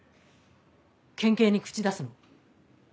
県警に口出すの？